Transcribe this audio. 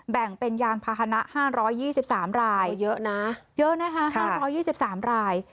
แบ่งเป็นยานภาษณะ๕๒๓รายเยอะนะฮะ๕๒๓ราย